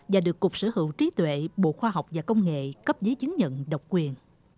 và được cục sở hữu trí tuệ bộ khoa học và công nghệ cấp giấy chứng nhận độc quyền